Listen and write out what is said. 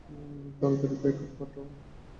তাড়াতাড়ি ব্যাক-আপ পাঠাও।